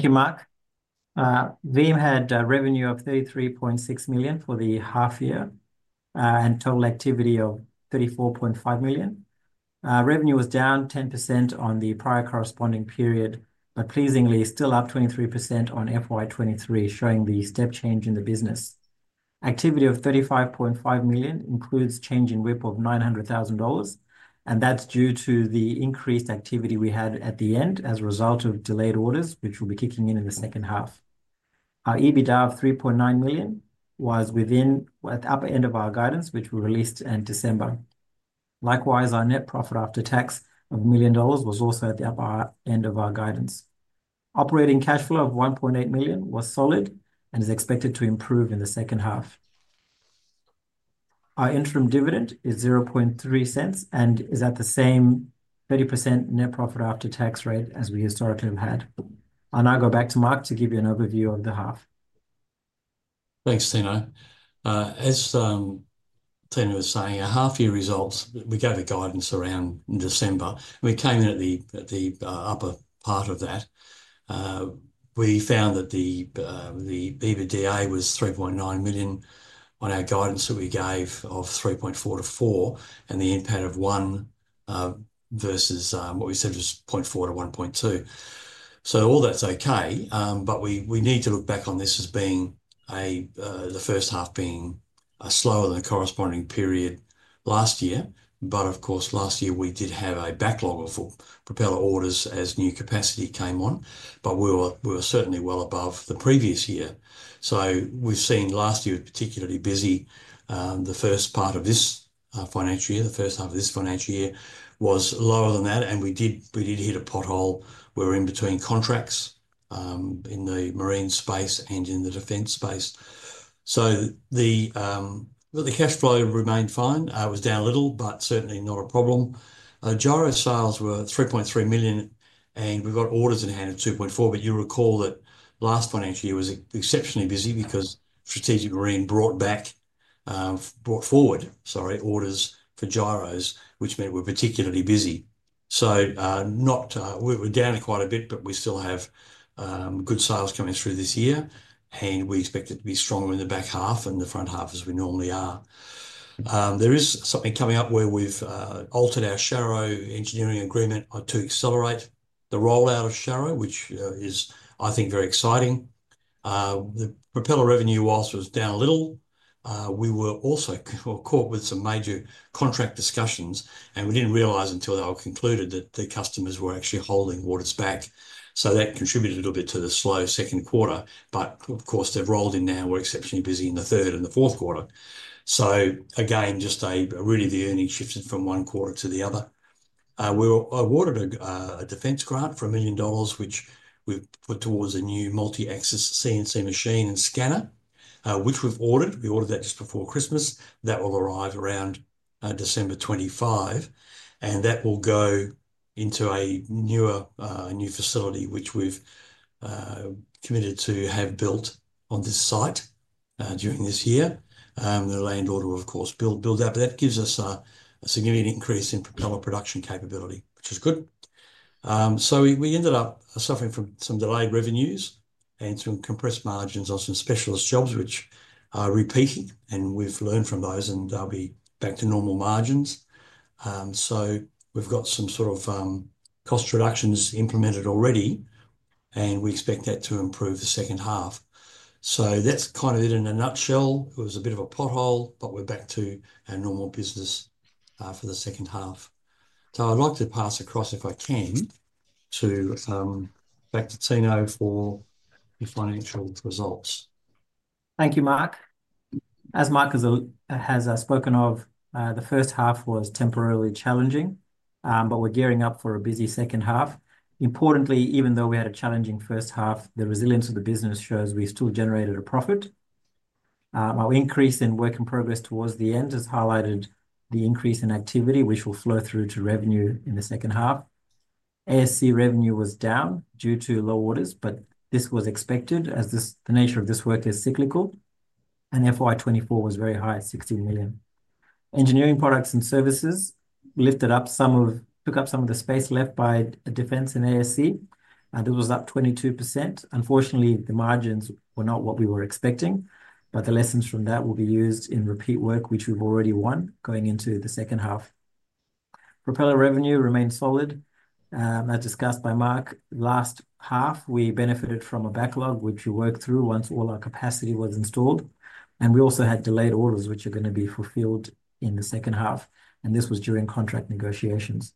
Thank you, Mark. VEEM had a revenue of 33.6 million for the half year and total activity of 34.5 million. Revenue was down 10% on the prior corresponding period, but pleasingly still up 23% on FY 2023, showing the step change in the business. Activity of 35.5 million includes a change in WIP of 900,000 dollars, and that is due to the increased activity we had at the end as a result of delayed orders, which will be kicking in in the second half. Our EBITDA of 3.9 million was within the upper end of our guidance, which we released in December. Likewise, our net profit after tax of 1 million dollars was also at the upper end of our guidance. Operating cash flow of 1.8 million was solid and is expected to improve in the second half. Our interim dividend is 0.30 and is at the same 30% net profit after tax rate as we historically have had. I'll now go back to Mark to give you an overview of the half. Thanks, Tino. As Tino was saying, our half-year results, we gave a guidance around in December. We came in at the upper part of that. We found that the EBITDA was 3.9 million on our guidance that we gave of 3.4-4 million, and the impact of 1 million versus what we said was 0.4-1.2 million. All that's okay, but we need to look back on this as being the first half being slower than the corresponding period last year. Of course, last year we did have a backlog of propeller orders as new capacity came on, but we were certainly well above the previous year. We have seen last year was particularly busy. The first part of this financial year, the first half of this financial year, was lower than that, and we did hit a pothole. We were in between contracts in the marine space and in the defense space. The cash flow remained fine. It was down a little, but certainly not a problem. Gyro sales were 3.3 million, and we've got orders in hand of 2.4, but you recall that last financial year was exceptionally busy because Strategic Marine brought forward orders for gyros, which meant we were particularly busy. We are down quite a bit, but we still have good sales coming through this year, and we expect it to be stronger in the back half and the front half as we normally are. There is something coming up where we've altered our Sharrow Engineering agreement to accelerate the rollout of Sharrow, which is, I think, very exciting. The propeller revenue whilst was down a little, we were also caught with some major contract discussions, and we did not realize until they were concluded that the customers were actually holding orders back. That contributed a little bit to the slow second quarter, but of course, they have rolled in now. We are exceptionally busy in the third and the fourth quarter. Just really the earnings shifted from one quarter to the other. We awarded a defense grant for 1 million dollars, which we have put towards a new multi-axis CNC machine and scanner, which we have ordered. We ordered that just before Christmas. That will arrive around December 25, and that will go into a new facility, which we have committed to have built on this site during this year. The landlord will, of course, build that, but that gives us a significant increase in propeller production capability, which is good. We ended up suffering from some delayed revenues and some compressed margins on some specialist jobs, which are repeating, and we've learned from those and they'll be back to normal margins. We've got some sort of cost reductions implemented already, and we expect that to improve the second half. That's kind of it in a nutshell. It was a bit of a pothole, but we're back to our normal business for the second half. I'd like to pass across, if I can, back to Tino for the financial results. Thank you, Mark. As Mark has spoken of, the first half was temporarily challenging, but we're gearing up for a busy second half. Importantly, even though we had a challenging first half, the resilience of the business shows we still generated a profit. Our increase in work in progress towards the end has highlighted the increase in activity, which will flow through to revenue in the second half. ASC revenue was down due to low orders, but this was expected as the nature of this work is cyclical, and FY2024 was very high at 16 million. Engineering products and services lifted up some of, took up some of the space left by defense and ASC. This was up 22%. Unfortunately, the margins were not what we were expecting, but the lessons from that will be used in repeat work, which we've already won going into the second half. Propeller revenue remained solid, as discussed by Mark. Last half, we benefited from a backlog, which we worked through once all our capacity was installed, and we also had delayed orders, which are going to be fulfilled in the second half, and this was during contract negotiations.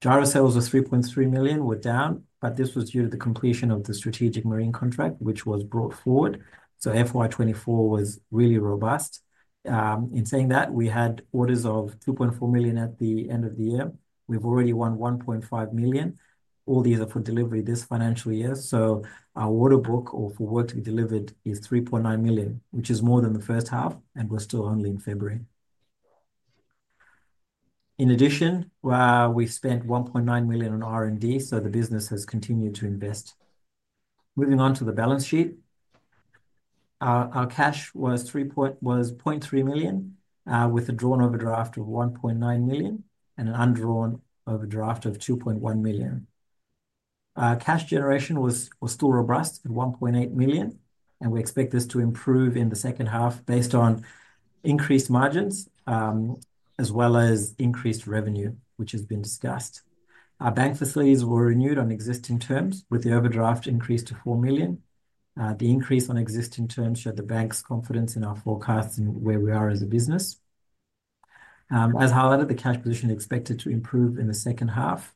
Gyro sales of 3.3 million were down, but this was due to the completion of the Strategic Marine contract, which was brought forward. FY2024 was really robust. In saying that, we had orders of 2.4 million at the end of the year. We've already won 1.5 million. All these are for delivery this financial year. Our order book or for work to be delivered is 3.9 million, which is more than the first half, and we're still only in February. In addition, we spent 1.9 million on R&D, so the business has continued to invest. Moving on to the balance sheet, our cash was 0.3 million with a drawn overdraft of 1.9 million and an undrawn overdraft of 2.1 million. Cash generation was still robust at 1.8 million, and we expect this to improve in the second half based on increased margins as well as increased revenue, which has been discussed. Our bank facilities were renewed on existing terms, with the overdraft increased to 4 million. The increase on existing terms showed the bank's confidence in our forecasts and where we are as a business. As highlighted, the cash position is expected to improve in the second half.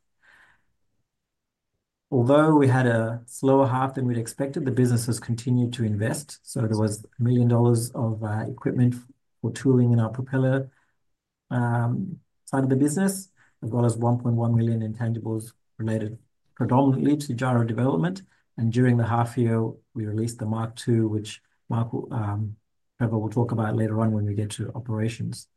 Although we had a slower half than we'd expected, the business has continued to invest. There was $1 million of equipment for tooling in our propeller side of the business, as well as 1.1 million in tangibles related predominantly to gyro development. During the half year, we released the Mark II, which Mark Trevor will talk about later on when we get to operations.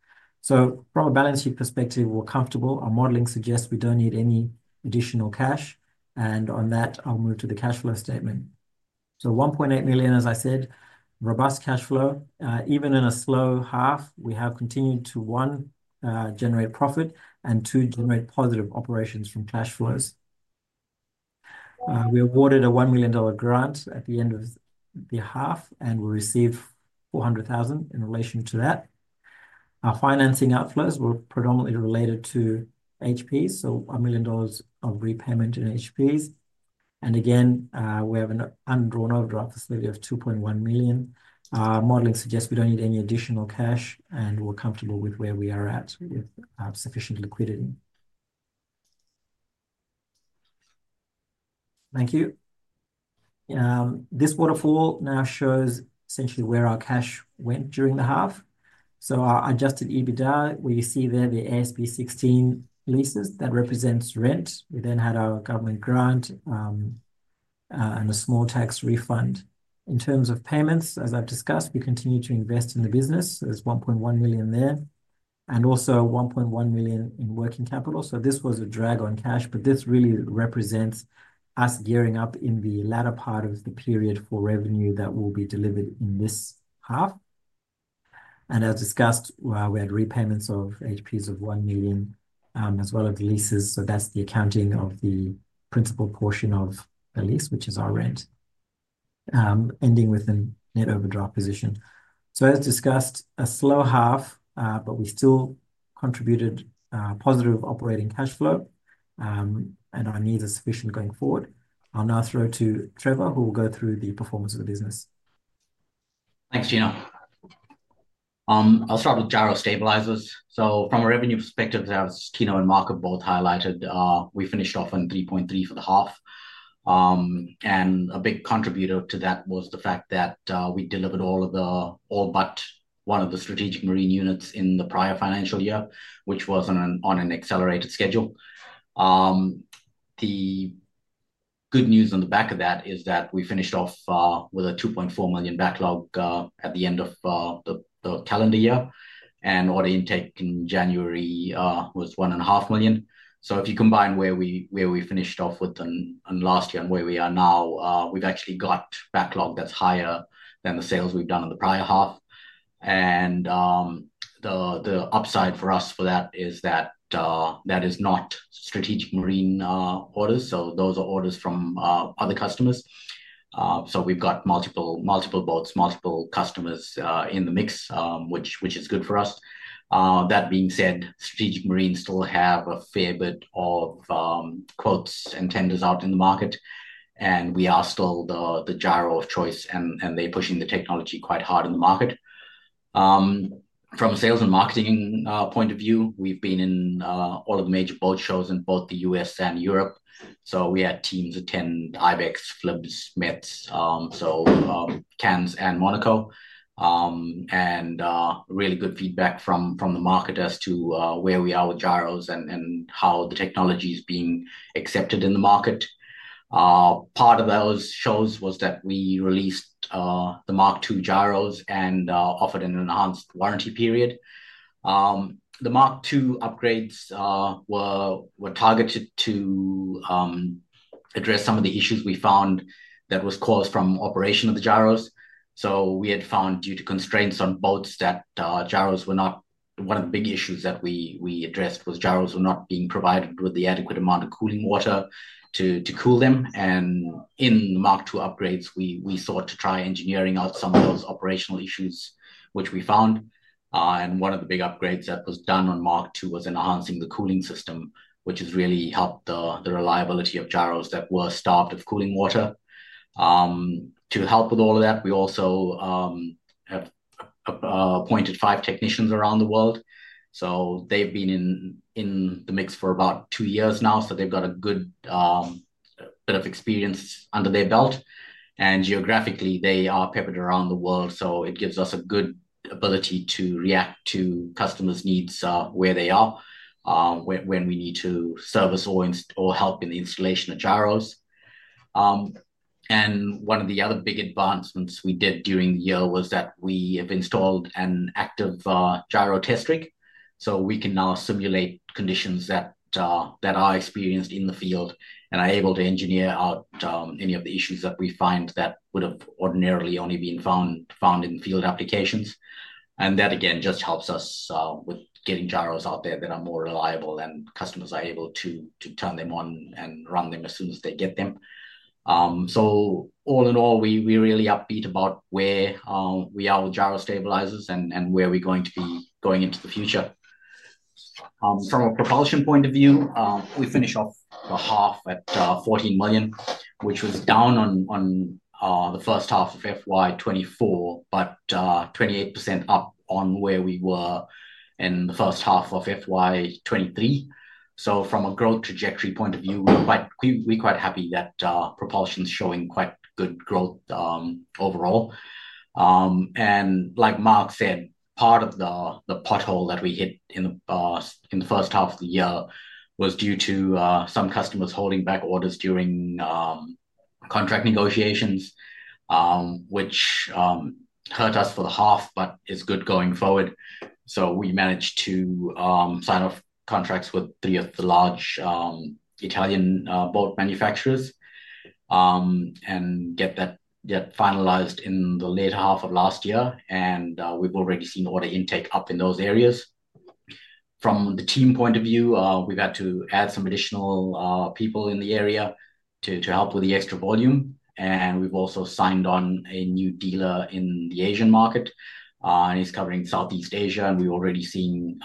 From a balance sheet perspective, we're comfortable. Our modeling suggests we don't need any additional cash, and on that, I'll move to the cash flow statement. 1.8 million, as I said, robust cash flow. Even in a slow half, we have continued to, one, generate profit and, two, generate positive operations from cash flows. We awarded a 1 million dollar grant at the end of the half, and we received 400,000 in relation to that. Our financing outflows were predominantly related to HPs, so 1 million dollars of repayment in HPs. We have an undrawn overdraft facility of 2.1 million. Our modeling suggests we don't need any additional cash, and we're comfortable with where we are at with sufficient liquidity. Thank you. This waterfall now shows essentially where our cash went during the half. Our adjusted EBITDA, where you see there the AASB 16 leases, that represents rent. We then had our government grant and a small tax refund. In terms of payments, as I've discussed, we continue to invest in the business. There is 1.1 million there and also 1.1 million in working capital. This was a drag on cash, but this really represents us gearing up in the latter part of the period for revenue that will be delivered in this half. As discussed, we had repayments of HPs of 1 million as well as leases. That is the accounting of the principal portion of the lease, which is our rent, ending with a net overdraft position. A slow half, but we still contributed positive operating cash flow, and our needs are sufficient going forward. I'll now throw to Trevor, who will go through the performance of the business. Thanks, Tino. I'll start with gyro stabilizers. From a revenue perspective, as Tino and Mark have both highlighted, we finished off on 3.3 million for the half. A big contributor to that was the fact that we delivered all but one of the Strategic Marine units in the prior financial year, which was on an accelerated schedule. The good news on the back of that is that we finished off with a 2.4 million backlog at the end of the calendar year, and order intake in January was 1.5 million. If you combine where we finished off with last year and where we are now, we've actually got backlog that's higher than the sales we've done in the prior half. The upside for us for that is that that is not Strategic Marine orders, so those are orders from other customers. We have multiple boats, multiple customers in the mix, which is good for us. That being said, Strategic Marine still have a fair bit of quotes and tenders out in the market, and we are still the gyro of choice, and they are pushing the technology quite hard in the market. From a sales and marketing point of view, we have been in all of the major boat shows in both the US and Europe. We had teams attend IBEX, FLIBS, METS, Cannes, and Monaco, and really good feedback from the market as to where we are with gyros and how the technology is being accepted in the market. Part of those shows was that we released the Mark II gyros and offered an enhanced warranty period. The Mark II upgrades were targeted to address some of the issues we found that were caused from operation of the gyros. We had found due to constraints on boats that gyros were not, one of the big issues that we addressed was gyros were not being provided with the adequate amount of cooling water to cool them. In the Mark II upgrades, we sought to try engineering out some of those operational issues, which we found. One of the big upgrades that was done on Mark II was enhancing the cooling system, which has really helped the reliability of gyros that were starved of cooling water. To help with all of that, we also have appointed five technicians around the world. They've been in the mix for about two years now, so they've got a good bit of experience under their belt. Geographically, they are peppered around the world, so it gives us a good ability to react to customers' needs where they are, when we need to service or help in the installation of gyros. One of the other big advancements we did during the year was that we have installed an active gyro test rig, so we can now simulate conditions that are experienced in the field and are able to engineer out any of the issues that we find that would have ordinarily only been found in field applications. That, again, just helps us with getting gyros out there that are more reliable and customers are able to turn them on and run them as soon as they get them. All in all, we're really upbeat about where we are with gyro stabilizers and where we're going to be going into the future. From a propulsion point of view, we finished off the half at 14 million, which was down on the first half of FY 2024, but 28% up on where we were in the first half of FY 2023. From a growth trajectory point of view, we're quite happy that propulsion is showing quite good growth overall. Like Mark said, part of the pothole that we hit in the first half of the year was due to some customers holding back orders during contract negotiations, which hurt us for the half, but is good going forward. We managed to sign off contracts with three of the large Italian boat manufacturers and get that finalized in the later half of last year, and we've already seen order intake up in those areas. From the team point of view, we've had to add some additional people in the area to help with the extra volume, and we've also signed on a new dealer in the Asian market, and he's covering Southeast Asia, and we've already seen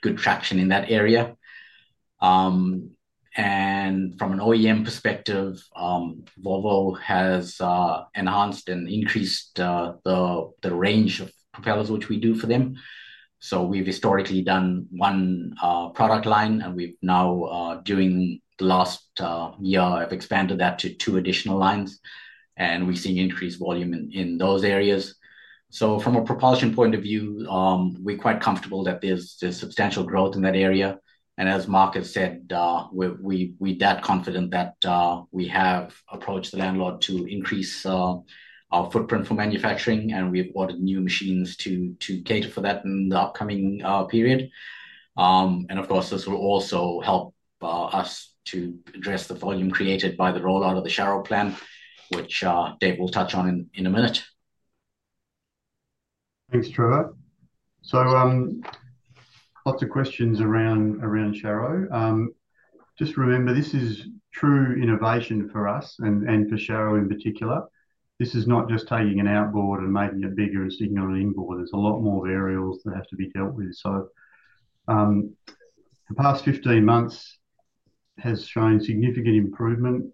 good traction in that area. From an OEM perspective, Volvo has enhanced and increased the range of propellers, which we do for them. We've historically done one product line, and we've now, during the last year, expanded that to two additional lines, and we've seen increased volume in those areas. From a propulsion point of view, we're quite comfortable that there's substantial growth in that area. As Mark has said, we're that confident that we have approached the landlord to increase our footprint for manufacturing, and we've ordered new machines to cater for that in the upcoming period. Of course, this will also help us to address the volume created by the rollout of the Sharrow plan, which Dave will touch on in a minute. Thanks, Trevor. Lots of questions around Sharrow. Just remember, this is true innovation for us and for Sharrow in particular. This is not just taking an outboard and making a bigger and signaling inboard. There are a lot more variables that have to be dealt with. The past 15 months has shown significant improvement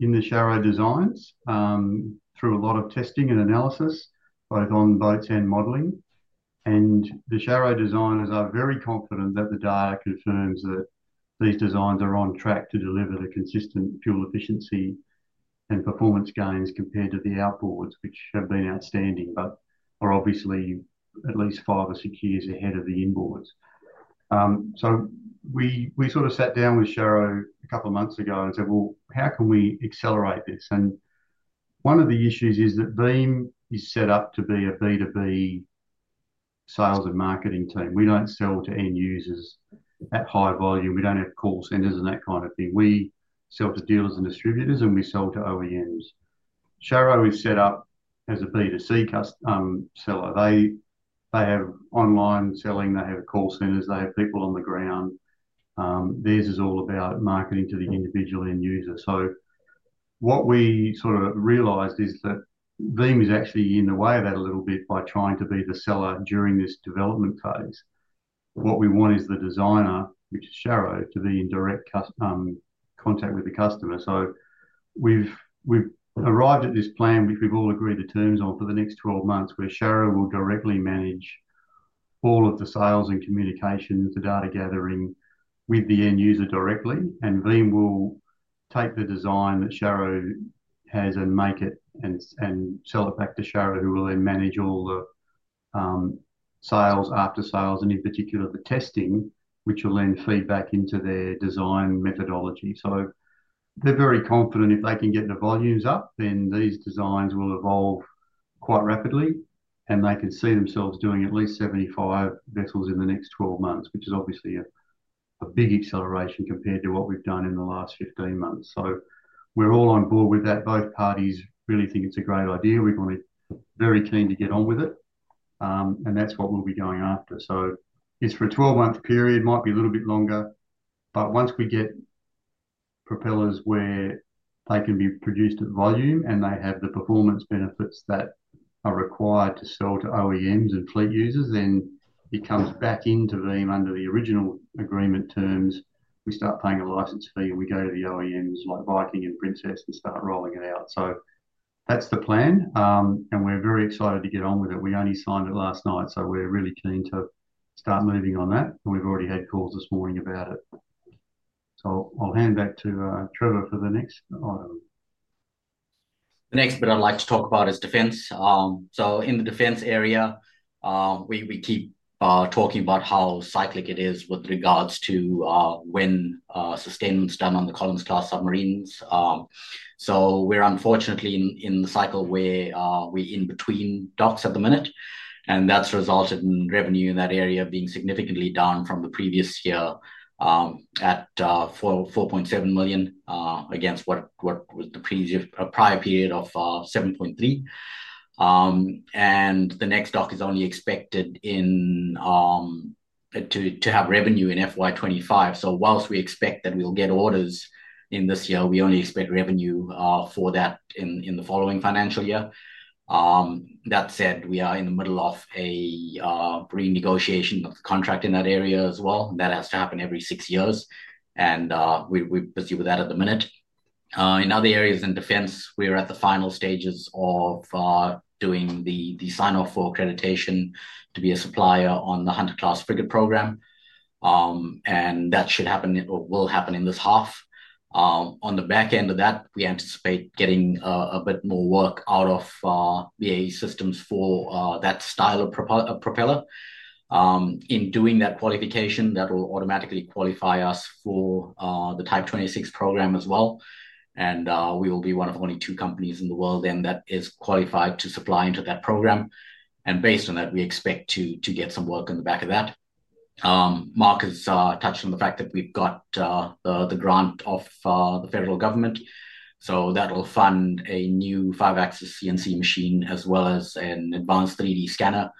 in the Sharrow designs through a lot of testing and analysis, both on boats and modeling. The Sharrow designers are very confident that the data confirms that these designs are on track to deliver the consistent fuel efficiency and performance gains compared to the outboards, which have been outstanding, but are obviously at least five or six years ahead of the inboards. We sort of sat down with Sharrow a couple of months ago and said, "Well, how can we accelerate this?" One of the issues is that Veem is set up to be a B2B sales and marketing team. We don't sell to end users at high volume. We don't have call centers and that kind of thing. We sell to dealers and distributors, and we sell to OEMs. Sharrow is set up as a B2C seller. They have online selling. They have call centers. They have people on the ground. Theirs is all about marketing to the individual end user. What we sort of realized is that Veem is actually in the way of that a little bit by trying to be the seller during this development phase. What we want is the designer, which is Sharrow, to be in direct contact with the customer. We have arrived at this plan, which we have all agreed the terms on for the next 12 months, where Sharrow will directly manage all of the sales and communication, the data gathering with the end user directly, and Veem will take the design that Sharrow has and make it and sell it back to Sharrow, who will then manage all the sales, after sales, and, in particular, the testing, which will then feed back into their design methodology. They are very confident if they can get the volumes up, then these designs will evolve quite rapidly, and they can see themselves doing at least 75 vessels in the next 12 months, which is obviously a big acceleration compared to what we have done in the last 15 months. We are all on board with that. Both parties really think it is a great idea. We're very keen to get on with it, and that's what we'll be going after. It is for a 12-month period. It might be a little bit longer, but once we get propellers where they can be produced at volume and they have the performance benefits that are required to sell to OEMs and fleet users, then it comes back into Veem under the original agreement terms. We start paying a license fee, and we go to the OEMs like Viking and Princess and start rolling it out. That is the plan, and we're very excited to get on with it. We only signed it last night, so we're really keen to start moving on that, and we've already had calls this morning about it. I'll hand back to Trevor for the next item. The next bit I'd like to talk about is defense. In the defense area, we keep talking about how cyclic it is with regards to when sustainment's done on the Collins-class submarines. We're unfortunately in the cycle where we're in between docks at the minute, and that's resulted in revenue in that area being significantly down from the previous year at 4.7 million against what was the prior period of 7.3 million. The next dock is only expected to have revenue in FY2025. Whilst we expect that we'll get orders in this year, we only expect revenue for that in the following financial year. That said, we are in the middle of a renegotiation of the contract in that area as well. That has to happen every six years, and we're busy with that at the minute. In other areas in defense, we're at the final stages of doing the sign-off for accreditation to be a supplier on the Hunter-class frigate program, and that should happen or will happen in this half. On the back end of that, we anticipate getting a bit more work out of BAE Systems for that style of propeller. In doing that qualification, that will automatically qualify us for the Type 26 program as well, and we will be one of only two companies in the world then that is qualified to supply into that program. Based on that, we expect to get some work on the back of that. Mark has touched on the fact that we've got the grant of the federal government, so that will fund a new five-axis CNC machine as well as an advanced 3D scanner,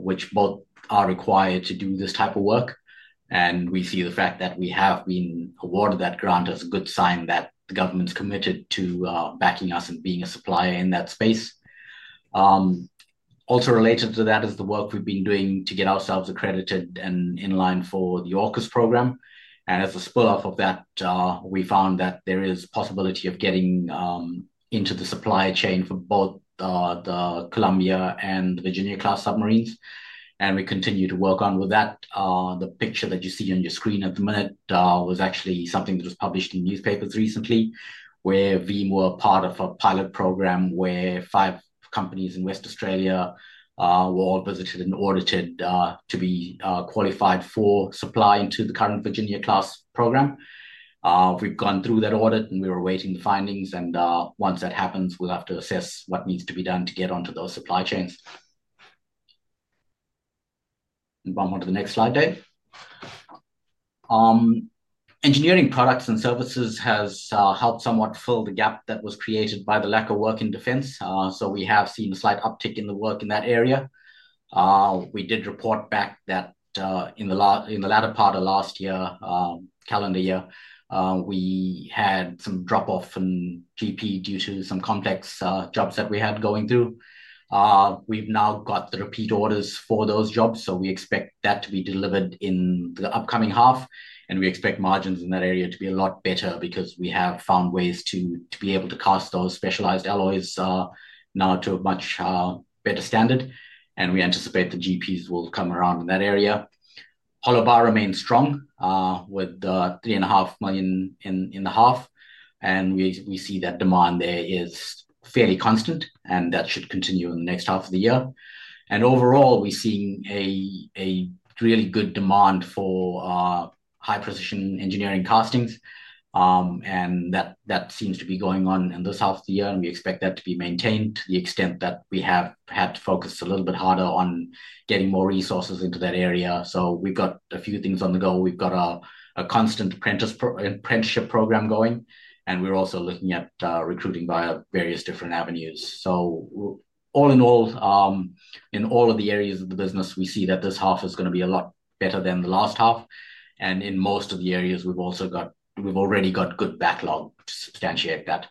which both are required to do this type of work. We see the fact that we have been awarded that grant as a good sign that the government's committed to backing us and being a supplier in that space. Also related to that is the work we've been doing to get ourselves accredited and in line for the AUKUS program. As a spur off of that, we found that there is a possibility of getting into the supply chain for both the Columbia and the Virginia-class submarines. We continue to work on with that. The picture that you see on your screen at the minute was actually something that was published in newspapers recently where Veem were part of a pilot program where five companies in West Australia were all visited and audited to be qualified for supply into the current Virginia-class program. We've gone through that audit, and we're awaiting the findings. Once that happens, we'll have to assess what needs to be done to get onto those supply chains. Can you move on to the next slide, Dave? Engineering products and services has helped somewhat fill the gap that was created by the lack of work in defense, so we have seen a slight uptick in the work in that area. We did report back that in the latter part of last year, calendar year, we had some drop-off in GP due to some complex jobs that we had going through. We've now got the repeat orders for those jobs, so we expect that to be delivered in the upcoming half, and we expect margins in that area to be a lot better because we have found ways to be able to cast those specialized alloys now to a much better standard. We anticipate the GPs will come around in that area. Hollow Bar remains strong with 3.5 million in the half, and we see that demand there is fairly constant, and that should continue in the next half of the year. Overall, we're seeing a really good demand for high-precision engineering castings, and that seems to be going on in this half of the year, and we expect that to be maintained to the extent that we have had to focus a little bit harder on getting more resources into that area. We have a few things on the go. We have a constant apprenticeship program going, and we're also looking at recruiting via various different avenues. All in all, in all of the areas of the business, we see that this half is going to be a lot better than the last half. In most of the areas, we've already got good backlog to substantiate that.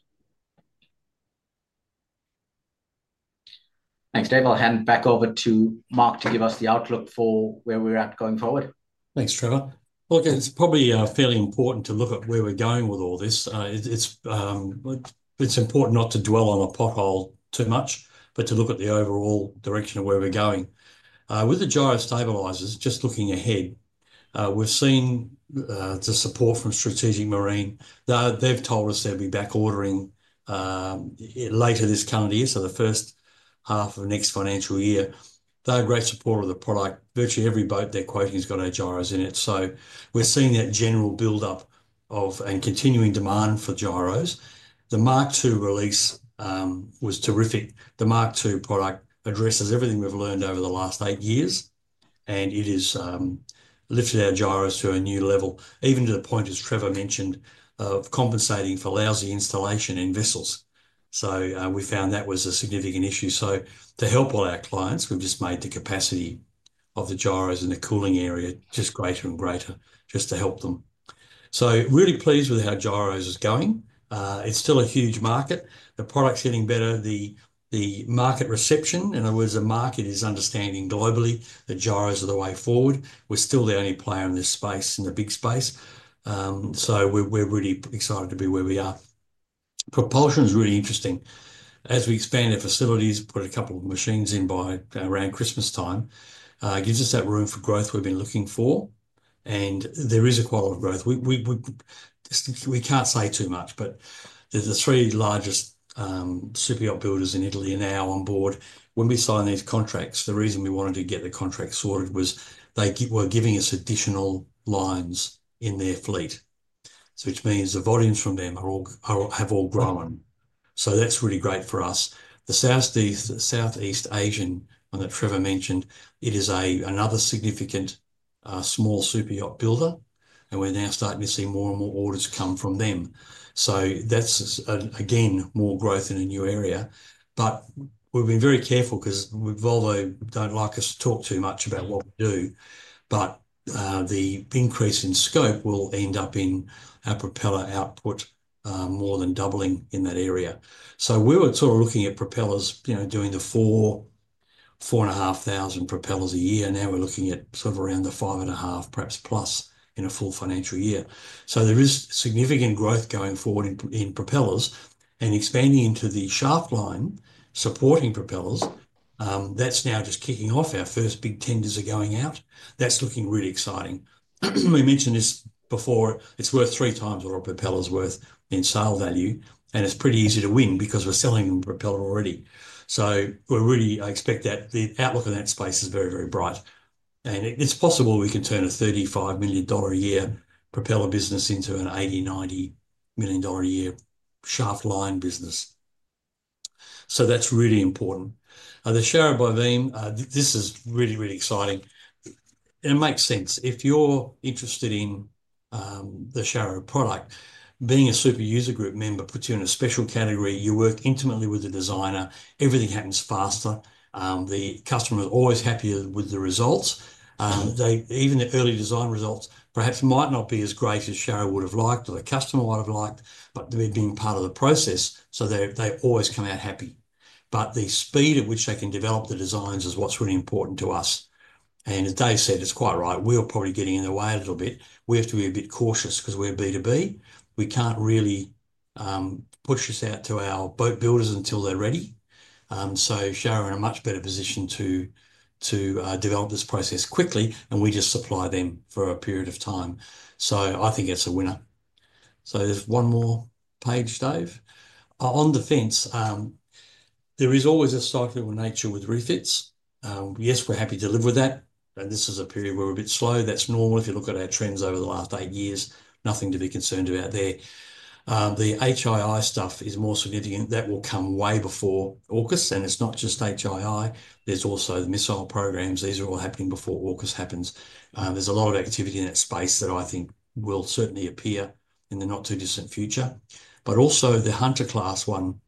Thanks, Dave. I'll hand back over to Mark to give us the outlook for where we're at going forward. Thanks, Trevor. Look, it's probably fairly important to look at where we're going with all this. It's important not to dwell on a pothole too much, but to look at the overall direction of where we're going. With the gyro stabilizers, just looking ahead, we've seen the support from Strategic Marine. They've told us they'll be back ordering later this calendar year, so the first half of next financial year. They have great support of the product. Virtually every boat they're quoting has got our gyros in it. We're seeing that general buildup of and continuing demand for gyros. The Mk II release was terrific. The Mk II product addresses everything we've learned over the last eight years, and it has lifted our gyros to a new level, even to the point, as Trevor mentioned, of compensating for lousy installation in vessels. We found that was a significant issue. To help all our clients, we've just made the capacity of the gyros in the cooling area just greater and greater, just to help them. Really pleased with how gyros is going. It's still a huge market. The product's getting better. The market reception, in other words, the market is understanding globally that gyros are the way forward. We're still the only player in this space, in the big space, so we're really excited to be where we are. Propulsion is really interesting. As we expand our facilities, put a couple of machines in by around Christmas time, it gives us that room for growth we've been looking for, and there is a quarter of growth. We can't say too much, but the three largest superyacht builders in Italy are now on board. When we signed these contracts, the reason we wanted to get the contract sorted was they were giving us additional lines in their fleet, which means the volumes from them have all grown. That is really great for us. The Southeast Asian one that Trevor mentioned, it is another significant small superyacht builder, and we are now starting to see more and more orders come from them. That is, again, more growth in a new area. We have been very careful because Volvo do not like us to talk too much about what we do, but the increase in scope will end up in our propeller output more than doubling in that area. We were sort of looking at propellers doing the 4,000-4,500 propellers a year. Now we are looking at sort of around the 5,500, perhaps plus, in a full financial year. There is significant growth going forward in propellers, and expanding into the shaft line supporting propellers, that's now just kicking off. Our first big tenders are going out. That's looking really exciting. We mentioned this before. It's worth three times what a propeller's worth in sale value, and it's pretty easy to win because we're selling them a propeller already. We really expect that the outlook in that space is very, very bright. It's possible we can turn a 35 million dollar a year propeller business into an 80-90 million dollar a year shaft line business. That's really important. The Sharrow by Veem, this is really, really exciting. It makes sense. If you're interested in the Sharrow product, being a super user group member puts you in a special category. You work intimately with the designer. Everything happens faster. The customer is always happier with the results. Even the early design results perhaps might not be as great as Sharrow would have liked or the customer would have liked, but they've been part of the process, so they always come out happy. The speed at which they can develop the designs is what's really important to us. As Dave said, it's quite right. We're probably getting in the way a little bit. We have to be a bit cautious because we're B2B. We can't really push this out to our boat builders until they're ready. Sharrow are in a much better position to develop this process quickly, and we just supply them for a period of time. I think it's a winner. There's one more page, Dave. On defense, there is always a cycle of nature with refits. Yes, we're happy to live with that. This is a period where we're a bit slow. That's normal. If you look at our trends over the last eight years, nothing to be concerned about there. The HII stuff is more significant. That will come way before AUKUS, and it's not just HII. There's also the missile programs. These are all happening before AUKUS happens. There's a lot of activity in that space that I think will certainly appear in the not-too-distant future. Also the Hunter-class one,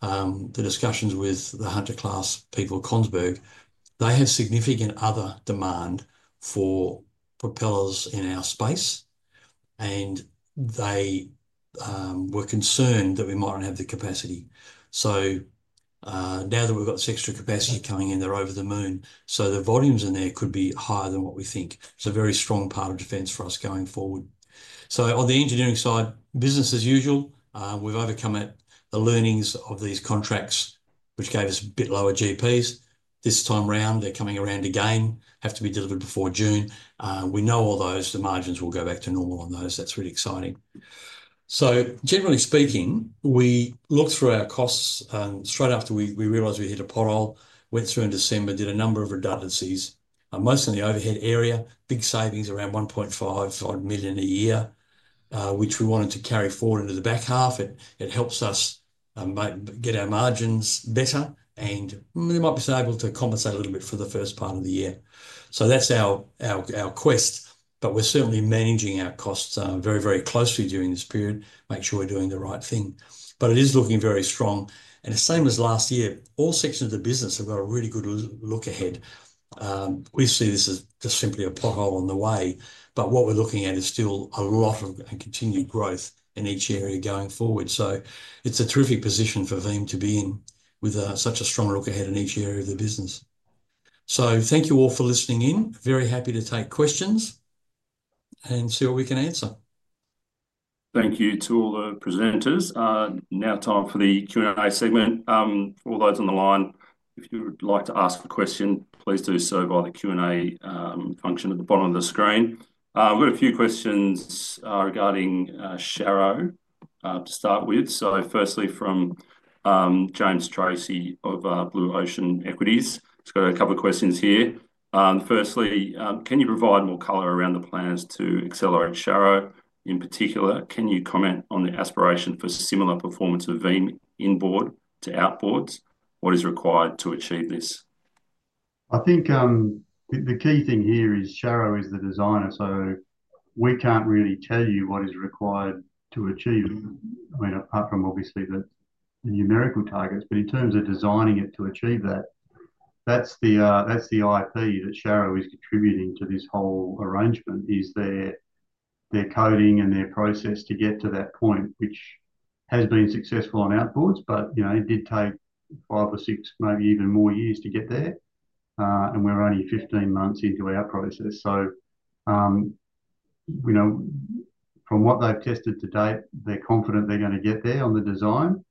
the discussions with the Hunter-class people at Kongsberg, they have significant other demand for propellers in our space, and they were concerned that we might not have the capacity. Now that we've got this extra capacity coming in, they're over the moon. The volumes in there could be higher than what we think. It's a very strong part of defense for us going forward. On the engineering side, business as usual. We've overcome the learnings of these contracts, which gave us a bit lower GPs. This time around, they're coming around again. Have to be delivered before June. We know all those. The margins will go back to normal on those. That's really exciting. Generally speaking, we looked through our costs straight after we realized we hit a pothole, went through in December, did a number of redundancies, mostly in the overhead area, big savings around 1.5 million a year, which we wanted to carry forward into the back half. It helps us get our margins better, and we might be able to compensate a little bit for the first part of the year. That's our quest, but we're certainly managing our costs very, very closely during this period, make sure we're doing the right thing. It is looking very strong. Same as last year, all sections of the business have got a really good look ahead. Obviously, this is just simply a pothole on the way, but what we are looking at is still a lot of continued growth in each area going forward. It is a terrific position for Veem to be in with such a strong look ahead in each area of the business. Thank you all for listening in. Very happy to take questions and see what we can answer. Thank you to all the presenters. Now time for the Q&A segment. All those on the line, if you'd like to ask a question, please do so via the Q&A function at the bottom of the screen. We've got a few questions regarding Sharrow to start with. Firstly, from James Tracy of Blue Ocean Equities. He's got a couple of questions here. Firstly, can you provide more color around the plans to accelerate Sharrow? In particular, can you comment on the aspiration for similar performance of Veem inboard to outboard? What is required to achieve this? I think the key thing here is Sharrow is the designer, so we can't really tell you what is required to achieve, apart from obviously the numerical targets. In terms of designing it to achieve that, that's the IP that Sharrow is contributing to this whole arrangement, is their coding and their process to get to that point, which has been successful on outboards, but it did take five or six, maybe even more years to get there. We're only 15 months into our process. From what they've tested to date, they're confident they're going to get there on the design,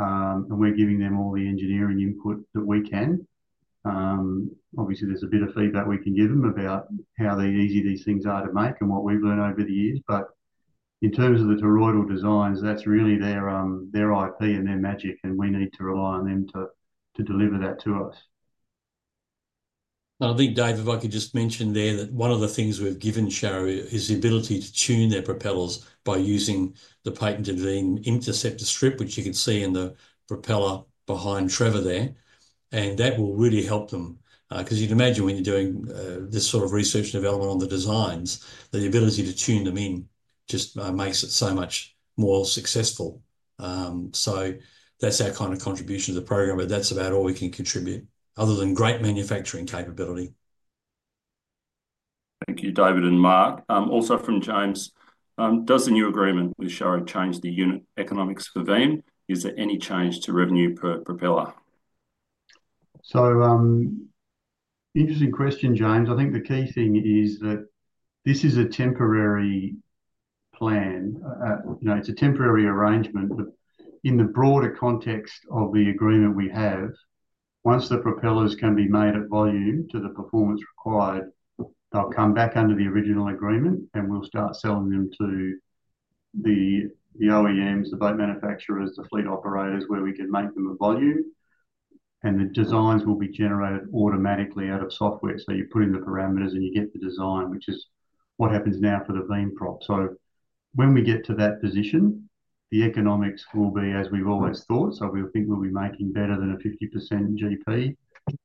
and we're giving them all the engineering input that we can. Obviously, there's a bit of feedback we can give them about how easy these things are to make and what we've learned over the years. In terms of the toroidal designs, that's really their IP and their magic, and we need to rely on them to deliver that to us. I think, Dave, if I could just mention there that one of the things we've given Sharrow is the ability to tune their propellers by using the patented Veem interceptor strip, which you can see in the propeller behind Trevor there. That will really help them because you'd imagine when you're doing this sort of research and development on the designs, the ability to tune them in just makes it so much more successful. That's our kind of contribution to the program, but that's about all we can contribute other than great manufacturing capability. Thank you, David and Mark. Also from James, does the new agreement with Sharrow change the unit economics for Veem? Is there any change to revenue per propeller? Interesting question, James. I think the key thing is that this is a temporary plan. It's a temporary arrangement. In the broader context of the agreement we have, once the propellers can be made at volume to the performance required, they'll come back under the original agreement, and we'll start selling them to the OEMs, the boat manufacturers, the fleet operators, where we can make them at volume. The designs will be generated automatically out of software. You put in the parameters and you get the design, which is what happens now for the Veem prop. When we get to that position, the economics will be as we've always thought. We think we'll be making better than a 50% GP,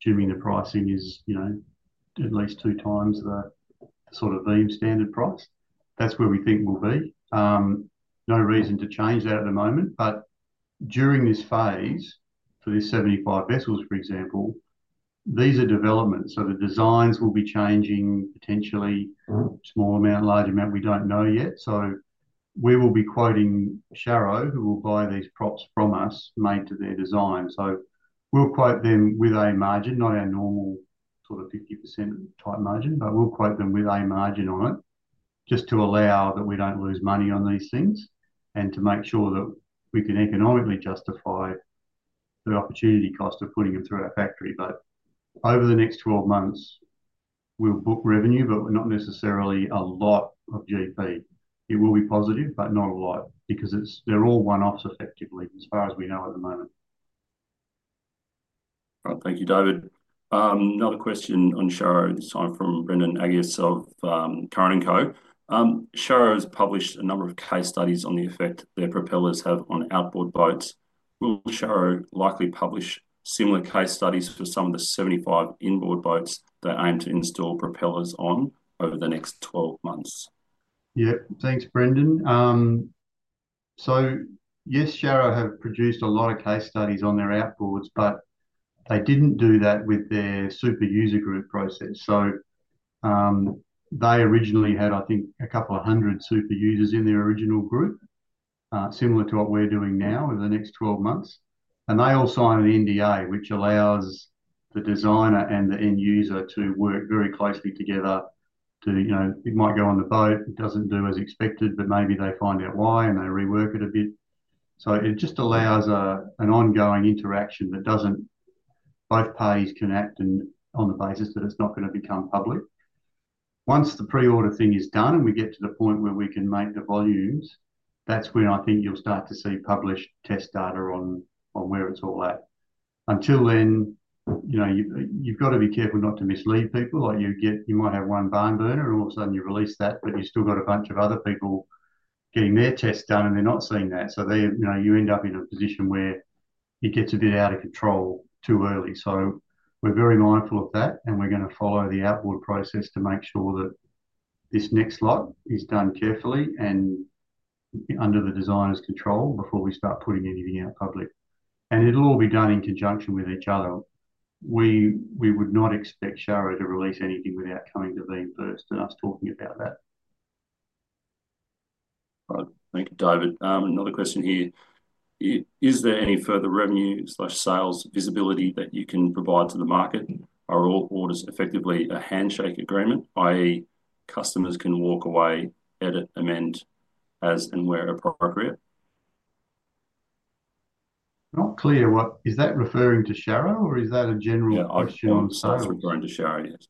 assuming the pricing is at least two times the sort of Veem standard price. That's where we think we'll be. No reason to change that at the moment. During this phase, for these 75 vessels, for example, these are developments. The designs will be changing potentially, small amount, large amount. We do not know yet. We will be quoting Sharrow who will buy these props from us made to their design. We will quote them with a margin, not our normal sort of 50% type margin, but we will quote them with a margin on it just to allow that we do not lose money on these things and to make sure that we can economically justify the opportunity cost of putting them through our factory. Over the next 12 months, we will book revenue, but not necessarily a lot of GP. It will be positive, but not a lot because they are all one-offs effectively, as far as we know at the moment. Thank you, David. Another question on Sharrow at this time from Brendan Agius of Curran & Co. Sharrow has published a number of case studies on the effect their propellers have on outboard boats. Will Sharrow likely publish similar case studies for some of the 75 inboard boats they aim to install propellers on over the next 12 months? Yep. Thanks, Brendan. Yes, Sharrow have produced a lot of case studies on their outboards, but they didn't do that with their super user group process. They originally had, I think, a couple of hundred super users in their original group, similar to what we're doing now over the next 12 months. They all signed the NDA, which allows the designer and the end user to work very closely together. It might go on the boat, it doesn't do as expected, but maybe they find out why and they rework it a bit. It just allows an ongoing interaction that both parties can act on the basis that it's not going to become public. Once the pre-order thing is done and we get to the point where we can make the volumes, that's when I think you'll start to see published test data on where it's all at. Until then, you've got to be careful not to mislead people. You might have one barn burner, and all of a sudden you release that, but you've still got a bunch of other people getting their tests done, and they're not seeing that. You end up in a position where it gets a bit out of control too early. We are very mindful of that, and we're going to follow the outboard process to make sure that this next lot is done carefully and under the designer's control before we start putting anything out public. It will all be done in conjunction with each other. We would not expect Sharrow to release anything without coming to Veem first and us talking about that. Thank you, David. Another question here. Is there any further revenue/sales visibility that you can provide to the market? Are all orders effectively a handshake agreement, i.e., customers can walk away, edit, amend as and where appropriate? Not clear. Is that referring to Sharrow, or is that a general question on sales? It's referring to Sharrow, yes.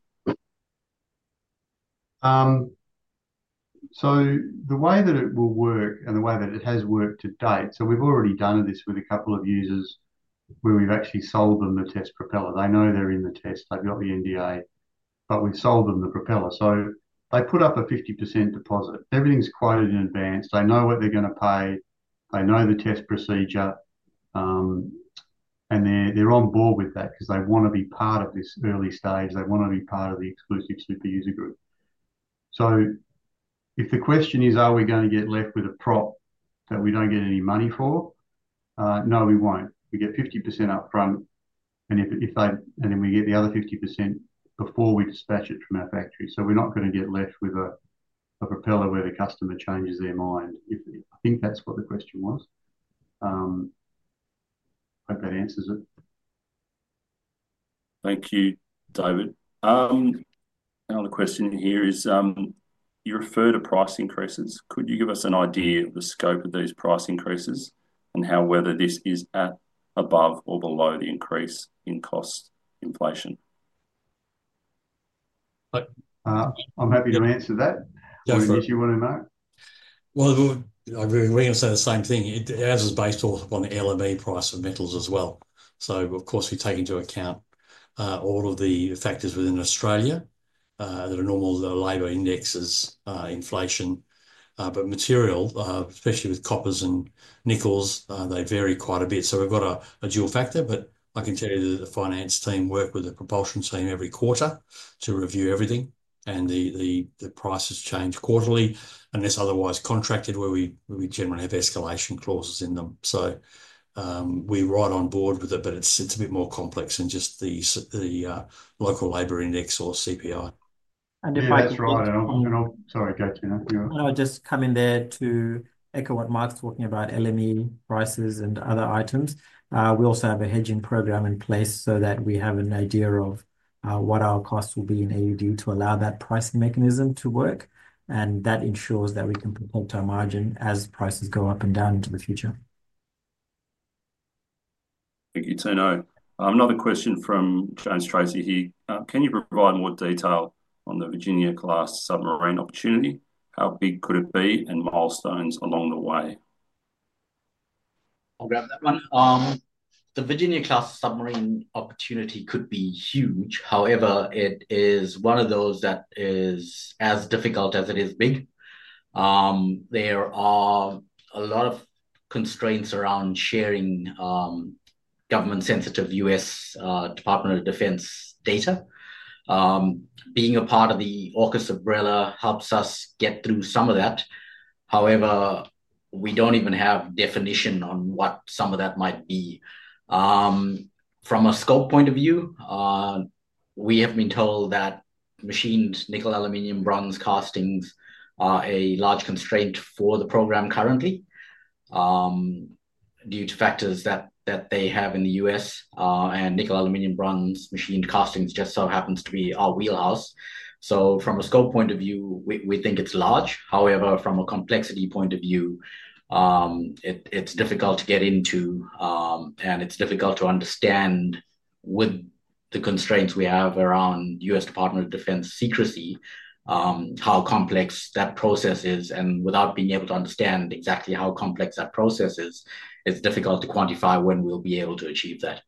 The way that it will work and the way that it has worked to date, we've already done this with a couple of users where we've actually sold them the test propeller. They know they're in the test. They've got the NDA, but we've sold them the propeller. They put up a 50% deposit. Everything is quoted in advance. They know what they're going to pay. They know the test procedure, and they're on board with that because they want to be part of this early stage. They want to be part of the exclusive super user group. If the question is, are we going to get left with a prop that we do not get any money for? No, we will not. We get 50% upfront, and then we get the other 50% before we dispatch it from our factory. We're not going to get left with a propeller where the customer changes their mind. I think that's what the question was. Hope that answers it. Thank you, David. Another question here is, you refer to price increases. Could you give us an idea of the scope of these price increases and how whether this is above or below the increase in cost inflation? I'm happy to answer that. Yes. If you want to know. We're going to say the same thing. Ours is based all upon the LME price of metals as well. Of course, we take into account all of the factors within Australia. There are normal labor indexes, inflation. Material, especially with coppers and nickels, they vary quite a bit. We've got a dual factor, but I can tell you that the finance team work with the propulsion team every quarter to review everything. The prices change quarterly unless otherwise contracted, where we generally have escalation clauses in them. We ride on board with it, but it's a bit more complex than just the local labor index or CPI. If I just. Sorry, Gayton. I'll just come in there to echo what Mark's talking about, LME prices and other items. We also have a hedging program in place so that we have an idea of what our costs will be in AUD to allow that pricing mechanism to work. That ensures that we can protect our margin as prices go up and down into the future. Thank you, Tino. Another question from James Tracy here. Can you provide more detail on the Virginia-class submarine opportunity? How big could it be and milestones along the way? I'll grab that one. The Virginia-class submarine opportunity could be huge. However, it is one of those that is as difficult as it is big. There are a lot of constraints around sharing government-sensitive US Department of Defense data. Being a part of the AUKUS umbrella helps us get through some of that. However, we don't even have definition on what some of that might be. From a scope point of view, we have been told that machined nickel-aluminum-bronze castings are a large constraint for the program currently due to factors that they have in the US. And nickel-aluminum-bronze machined castings just so happens to be our wheelhouse. From a scope point of view, we think it's large. However, from a complexity point of view, it's difficult to get into, and it's difficult to understand with the constraints we have around US Department of Defense secrecy, how complex that process is. Without being able to understand exactly how complex that process is, it's difficult to quantify when we'll be able to achieve that.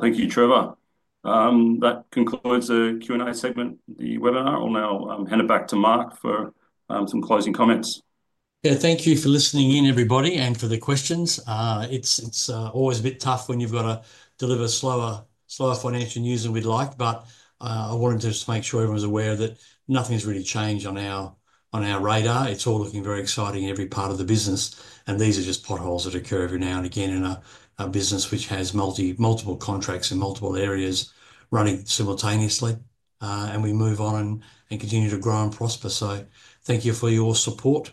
Thank you, Trevor. That concludes the Q&A segment of the webinar. I'll now hand it back to Mark for some closing comments. Yeah, thank you for listening in, everybody, and for the questions. It's always a bit tough when you've got to deliver slower financial news than we'd like. I wanted to just make sure everyone's aware that nothing's really changed on our radar. It's all looking very exciting in every part of the business. These are just potholes that occur every now and again in a business which has multiple contracts in multiple areas running simultaneously. We move on and continue to grow and prosper. Thank you for your support.